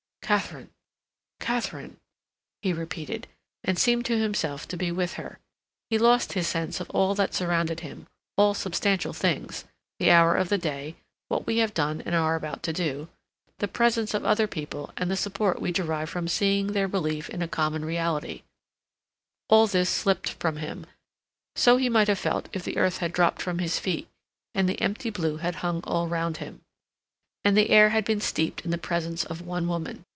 "Katharine, Katharine," he repeated, and seemed to himself to be with her. He lost his sense of all that surrounded him; all substantial things—the hour of the day, what we have done and are about to do, the presence of other people and the support we derive from seeing their belief in a common reality—all this slipped from him. So he might have felt if the earth had dropped from his feet, and the empty blue had hung all round him, and the air had been steeped in the presence of one woman.